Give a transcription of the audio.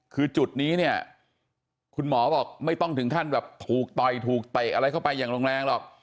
คือจุดนี้เนี่ยคุณหมอบอกไม่ต้องถึงขั้นแบบถูกต่อยถูกเตะอะไรเข้าไปอย่างแรงหรอก